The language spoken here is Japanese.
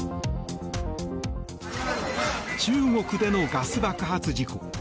中国でのガス爆発事故。